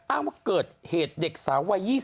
อ้างว่าเกิดเหตุเด็กสาววัย๒๐